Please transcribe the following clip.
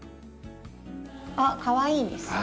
あっかわいいです。